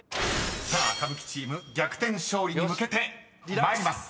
［さあ歌舞伎チーム逆転勝利に向けて参ります］